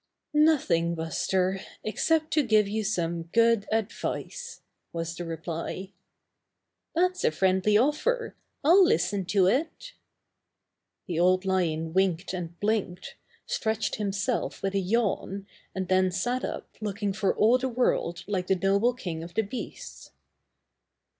"Nothing, Buster, except to give you some good advice," was the reply. 82 Buster the Bear ^^That's a friendly offer. I'll listen to it" The Old Lion winked and blinked, stretched himself with a yawn, and then sat up looking for all the world like the noble king of the beasts.